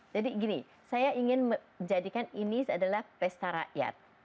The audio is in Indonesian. jadi gini saya ingin menjadikan ini adalah pesta rakyat